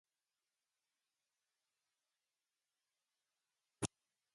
Tightwad was originally called Edgewood, for the woods near the original town site.